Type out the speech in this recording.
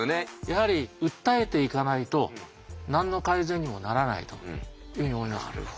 やはり訴えていかないと何の改善にもならないというふうに思います。